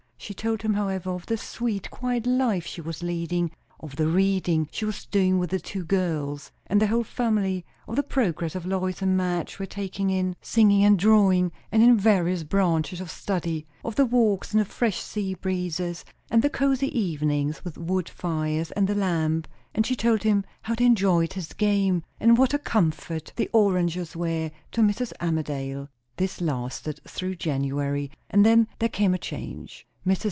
She told him, however, of the sweet, quiet life she was leading; of the reading she was doing with the two girls, and the whole family; of the progress Lois and Madge were making in singing and drawing and in various branches of study; of the walks in the fresh sea breezes, and the cosy evenings with wood fires and the lamp; and she told him how they enjoyed his game, and what a comfort the oranges were to Mrs. Armadale. This lasted through January, and then there came a change. Mrs.